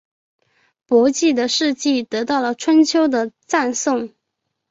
伯姬的事迹得到了春秋的赞颂。